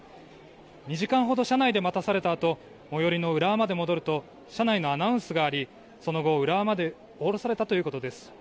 ２時間ほど車内で待たされたあと最寄りの浦和まで戻ると車内のアナウンスがありその後、浦和で降ろされたということです。